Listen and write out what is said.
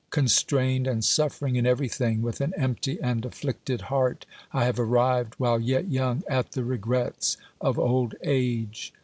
Con strained and suffering in everything, with an empty and afflicted heart, I have arrived, while yet young, at the regrets of old age.